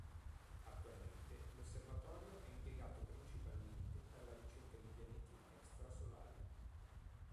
Attualmente l'osservatorio è impiegato principalmente per la ricerca di pianeti extrasolari.